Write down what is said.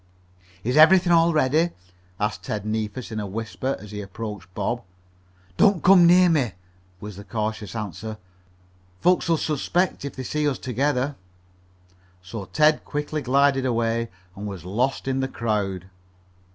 "Is everything all ready?" asked Ted Neefus in a whisper as he approached Bob. "Don't come near me," was the cautious answer. "Folks'll suspect if they see us together." So Ted quickly glided away and was lost in the crowd.